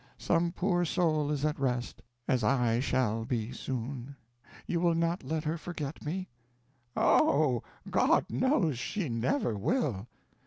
Some poor soul is at rest. As I shall be soon. You will not let her forget me?" "Oh, God knows she never will!"